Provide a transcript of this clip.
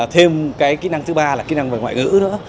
thêm cái kỹ năng thứ ba là kỹ năng về ngoại ngữ nữa